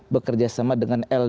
bekerja sama dengan lsud dua